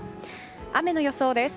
雨の予想です。